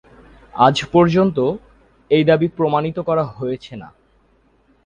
আজ পর্যন্ত, এই দাবি প্রমাণিত করা হয়েছে না।